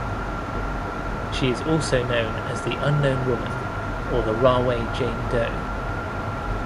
She is also known as the Unknown Woman or the Rahway Jane Doe.